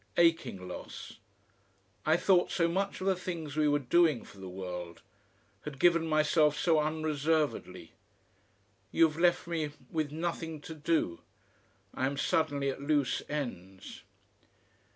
Aching loss. I thought so much of the things we were DOING for the world had given myself so unreservedly. You've left me with nothing to DO. I am suddenly at loose ends....